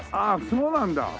ああそうなんだ。